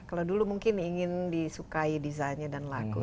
kalau dulu mungkin ingin disukai desainnya dan laku